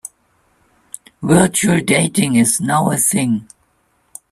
Virtual dating is now a thing.